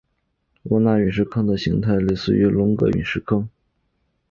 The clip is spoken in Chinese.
沃纳陨石坑的形态特征类似于龙格陨石坑。